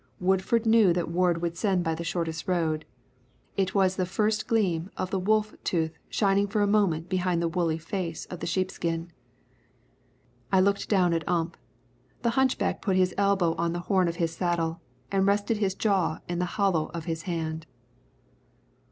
Woodford knew that Ward would send by the shortest road. It was the first gleam of the wolf tooth shining for a moment behind the woolly face of the sheepskin. I looked down at Ump. The hunchback put his elbow on the horn of his saddle and rested his jaw in the hollow of his hand.